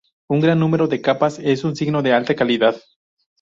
Un gran número de capas es un signo de alta calidad.